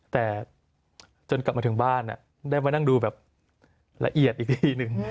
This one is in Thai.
แต่จนกลับมาถึงบ้านได้มานั่งดูแบบละเอียดอีกทีหนึ่ง